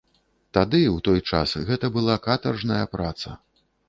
Тады, у той час, гэта была катаржная праца.